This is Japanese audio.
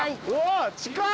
・近い！